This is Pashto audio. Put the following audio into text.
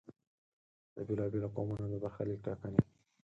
د بېلا بېلو قومونو د برخلیک ټاکنې.